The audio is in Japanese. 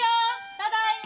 ただいま！